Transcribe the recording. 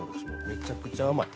めちゃくちゃ甘い。